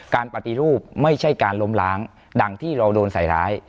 การปฏิรูปไม่ใช่การล้มล้างดังที่เราโดนใส่ร้าย